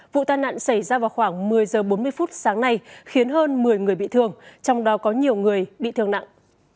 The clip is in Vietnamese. vụ tai nạn xảy ra vào khoảng một mươi h bốn mươi phút sáng nay khiến hơn một mươi người bị thương trong đó có nhiều người bị thương nặng